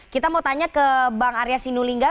kita mau tanya ke bang arya sinulinga